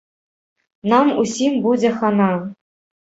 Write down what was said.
Нам усім будзе хана!